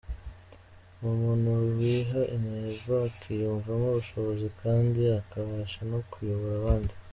Ni umuntu wiha intego, akiyumvamo ubushobozi kandi akabasha no kuyobora abandi.